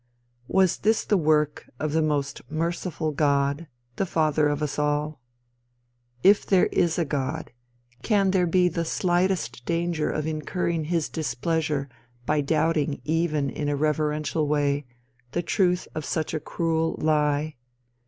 Was this the work of the most merciful God, the father of us all? If there is a God, can there be the slightest danger of incurring his displeasure by doubting even in a reverential way, the truth of such a cruel lie?